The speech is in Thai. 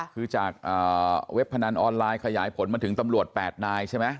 คือจากเว็บพนันออนไลน์ขยายผลมาถึงตำรวจ๘นายใช่ไหม